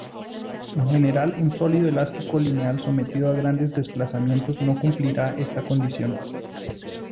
En general un sólido elástico lineal sometido a grandes desplazamientos no cumplirá esta condición.